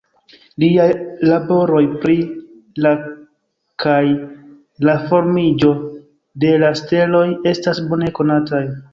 Liaj laboroj pri la kaj la formiĝo de la steloj estas bone konataj.